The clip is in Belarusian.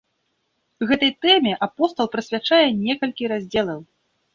Гэтай тэме апостал прысвячае некалькі раздзелаў.